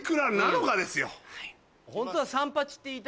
はい。